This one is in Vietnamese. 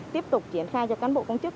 tiếp tục triển khai cho cán bộ công chức